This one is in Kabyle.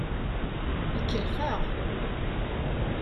Ikellex-aɣ.